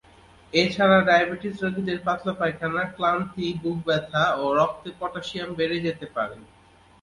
এ ছাড়া ডায়াবেটিস রোগীদের পাতলা পায়খানা, ক্লান্তি, বুক ব্যথা ও রক্তে পটাশিয়াম বেড়ে যেতে পারে।